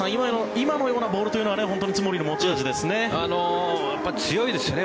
今のようなボールというのは津森の持ち味ですね。